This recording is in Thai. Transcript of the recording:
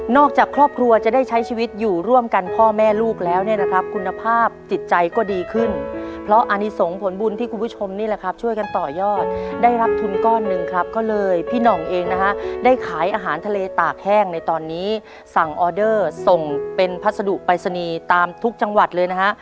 จากครอบครัวจะได้ใช้ชีวิตอยู่ร่วมกันพ่อแม่ลูกแล้วเนี่ยนะครับคุณภาพจิตใจก็ดีขึ้นเพราะอันนี้ส่งผลบุญที่คุณผู้ชมนี่แหละครับช่วยกันต่อยอดได้รับทุนก้อนหนึ่งครับก็เลยพี่หน่องเองนะฮะได้ขายอาหารทะเลตากแห้งในตอนนี้สั่งออเดอร์ส่งเป็นพัสดุปรายศนีย์ตามทุกจังหวัดเลยนะฮะ